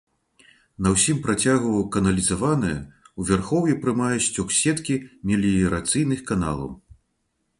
На ўсім працягу каналізаваная, у вярхоўі прымае сцёк з сеткі меліярацыйных каналаў.